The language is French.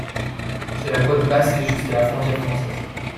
C'est la côte basque jusqu'à la frontière française.